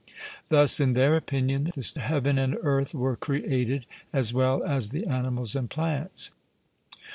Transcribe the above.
Thus, in their opinion, the heaven and earth were created, as well as the animals and plants.